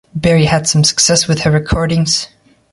Barry had some success with her recordings.